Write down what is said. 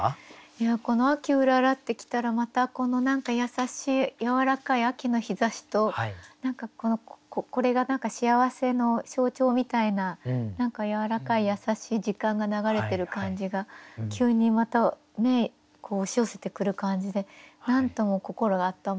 いやこの「秋うらら」ってきたらまたこの何か優しいやわらかい秋の日ざしと何かこのこれが幸せの象徴みたいなやわらかい優しい時間が流れてる感じが急にまた押し寄せてくる感じでなんとも心温まる句ですね。